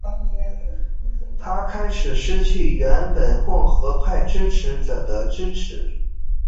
他开始失去原本共和派支持者的支持。